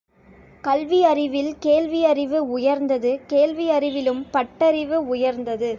கல்வியறிவில் கேள்வியறிவு உயர்ந்தது கேள்வியறிவிலும் பட்டறிவு உயர்ந்தது.